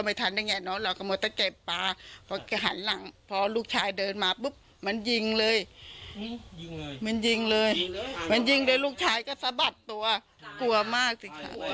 แม่แม่เข่าม่าขอยาอาจจะด่าโลกไก่ได้